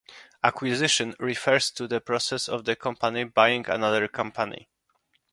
"Acquisition" refers to the process of one company buying another company.